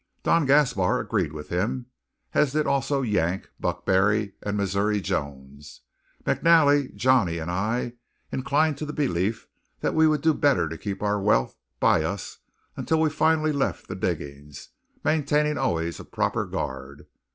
Don Gaspar agreed with him, as did also Yank, Buck Barry, and Missouri Jones. McNally, Johnny, and I inclined to the belief that we would do better to keep our wealth by us until we finally left the diggings, maintaining always a proper guard.